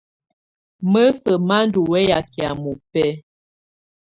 Mǝ́sǝ́ má ndɔ̀ wɛya kɛ̀á mɔ́bɛ̀á.